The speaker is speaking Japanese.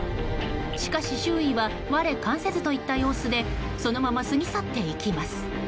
しかし、周囲は我関せずといった様子でそのまま過ぎ去っていきます。